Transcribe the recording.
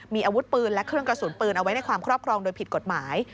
มีอาวุธปืนและเครื่องกระสุนปืนเอาไว้ในความครอบครองโดยผิดกฎหมาย